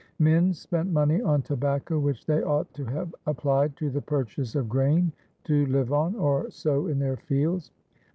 Men spent money on tobacco which they ought to have applied to the purchase of grain to live on or sow in their fields.